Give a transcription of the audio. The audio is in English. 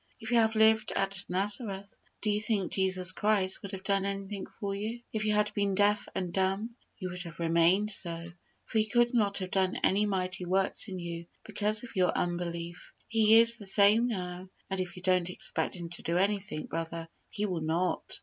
If you had lived at Nazareth, do you think Jesus Christ would have done anything for you? If you had been deaf and dumb, you would have remained so, for He could not have done any mighty works in you, because of your unbelief! He is the same now; and if you don't expect Him to do anything, brother, He will not.